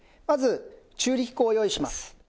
まず中力粉を用意します。